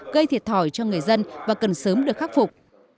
gây thiệt thòi cho người dân và cần sớm được khắc phục